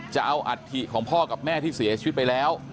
อัฐิของพ่อกับแม่ที่เสียชีวิตไปแล้ว